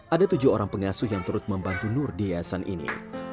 ada tujuh orang pengasuh yang turut membantu nur di yayasan ini